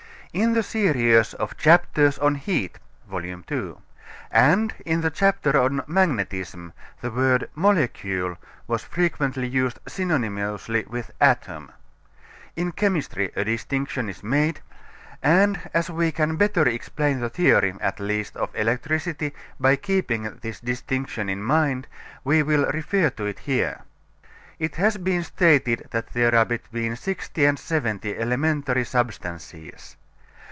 In the series of chapters on Heat (Vol. II) and in the chapter on Magnetism the word molecule was frequently used synonymously with atom. In chemistry a distinction is made, and as we can better explain the theory, at least, of electricity by keeping this distinction in mind we will refer to it here. It has been stated that there are between sixty and seventy elementary substances.